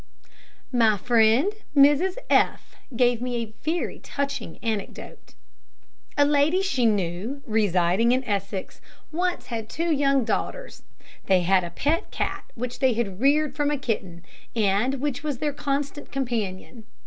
My friend Mrs F gave me a very touching anecdote. A lady she knew, residing in Essex, once had two young daughters. They had a pet cat which they had reared from a kitten, and which was their constant companion.